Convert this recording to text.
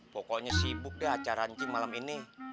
pokoknya sibuk deh acara anchi malam ini